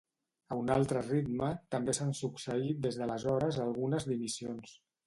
A un altre ritme, també s’han succeït des d’aleshores algunes dimissions.